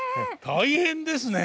大変ですね。